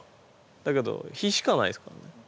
だけど日しかないですからね。